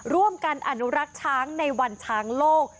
ร่วมกันอนุรักษ์ช้างในวันช้างโลก